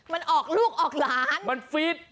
มันออกลูกออกหลานมันฟิต